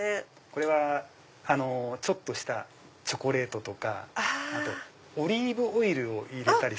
これはちょっとしたチョコレートとかオリーブオイルを入れたり。